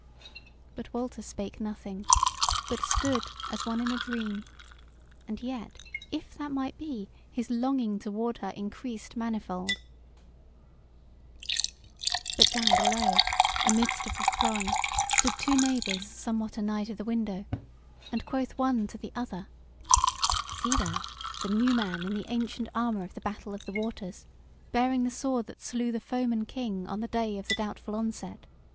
But Walter spake nothing, but stood as one in a dream; and yet, if that might be, his longing toward her increased manifold. But down below, amidst of the throng, stood two neighbours somewhat anigh to the window; and quoth one to the other: "See thou! the new man in the ancient armour of the Battle of the Waters, bearing the sword that slew the foeman king on the Day of the Doubtful Onset!